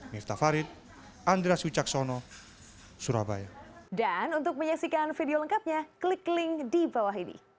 mifta farid andras wicaksono surabaya